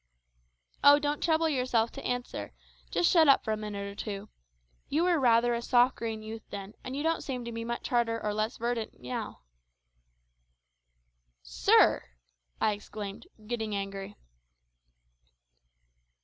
"Oh, don't trouble yourself to answer. Just shut up for a minute or two. You were rather a soft green youth then, and you don't seem to be much harder or less verdant now." "Sir!" I exclaimed, getting angry.